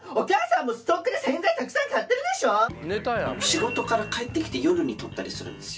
仕事から帰ってきて夜に撮ったりするんですよ。